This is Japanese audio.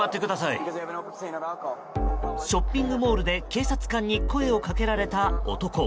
ショッピングモールで警察官に声をかけられた男。